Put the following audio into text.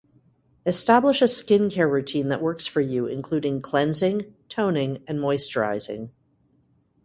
Establish a skincare routine that works for you, including cleansing, toning, and moisturizing.